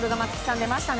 出ましたね。